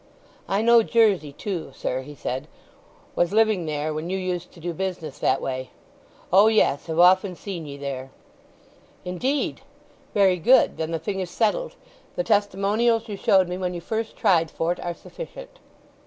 "I know Jersey too, sir," he said. "Was living there when you used to do business that way. O yes—have often seen ye there." "Indeed! Very good. Then the thing is settled. The testimonials you showed me when you first tried for't are sufficient."